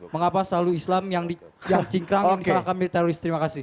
mengapa selalu islam yang cingkram yang disalahkan militeroris terima kasih